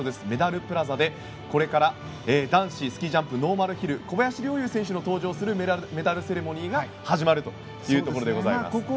メダルプラザでこれから男子スキージャンプノーマルヒルの小林陵侑選手が登場するメダルセレモニーが始まるところでございます。